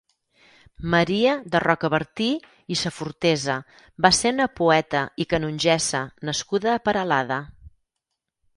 Maria de Rocabertí i Safortesa va ser una poeta i canongessa nascuda a Peralada.